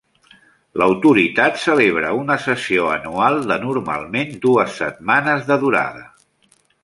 L'Autoritat celebra una sessió anual, de normalment dues setmanes de durada.